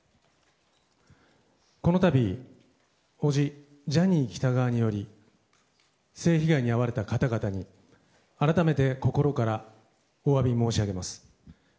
この度叔父、ジャニー喜多川により性被害に遭われた方々に改めて心からお詫び申し上げます。